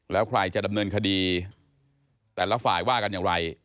แล้วใครจะดำเนินคดีแต่ละฝ่ายว่ากันอย่างไร